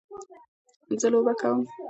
زه لوبه کوم.